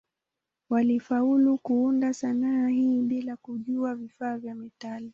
Walifaulu kuunda sanaa hii bila kujua vifaa vya metali.